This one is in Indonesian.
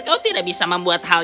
kau tidak bisa membuat hal